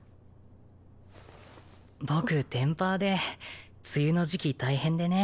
僕テンパーで梅雨の時期大変でね